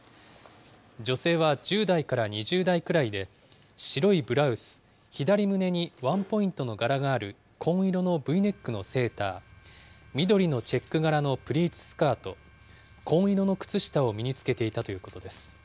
女性は１０代から２０代くらいで、白いブラウス、左胸にワンポイントの柄がある紺色のＶネックのセーター、緑のチェック柄のプリーツスカート、紺色の靴下を身に着けていたということです。